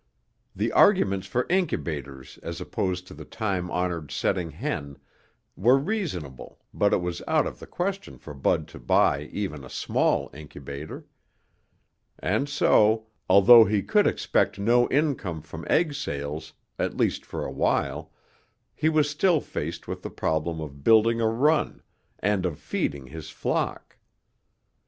The arguments for incubators as opposed to the time honored setting hen were reasonable but it was out of the question for Bud to buy even a small incubator. And so, although he could expect no income from egg sales, at least for a while, he was still faced with the problem of building a run and of feeding his flock.